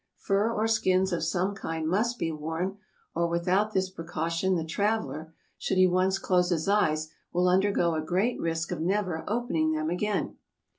Fur or skins of some kind must be worn, or without this precaution the traveler, should he once close his eyes, will undergo a great risk of never opening them again.